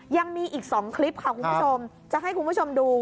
ยังมีอีก๒คลิปจะให้คุณผู้ชมดู